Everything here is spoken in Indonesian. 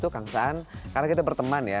kan kita berteman ya